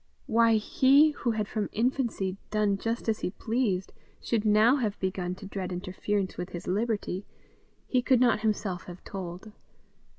Why he, who had from infancy done just as he pleased, should now have begun to dread interference with his liberty, he could not himself have told.